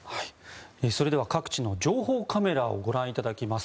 それでは各地の情報カメラをご覧いただきます。